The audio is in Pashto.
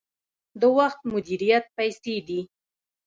د وخت مدیریت پیسې دي